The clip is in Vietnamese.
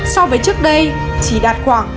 so với trước đây chỉ đạt khoảng năm mươi sáu mươi